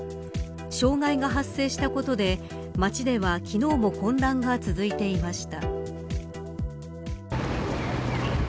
障害が発生したことで街では昨日も混乱が続いていました。